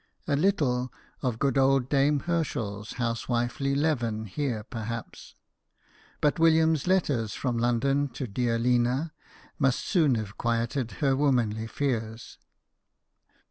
(A little of good old dame Herschel's housewifely leaven here, perhaps.) But William's letters from London to "Dear Lina" must soon have quieted her womanly fears.